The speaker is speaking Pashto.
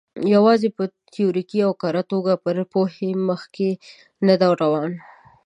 یوازې په تیوریکي او کره توګه پر پوهې مخکې نه دی روان.